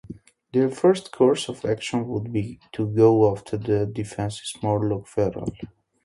Their first course of action would be to go after the defected Morlock, Feral.